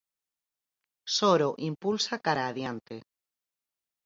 Soro impulsa cara adiante.